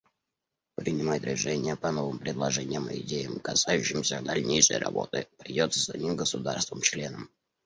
Принимать решения по новым предложениям и идеям, касающимся дальнейшей работы, придется самим государствам-членам.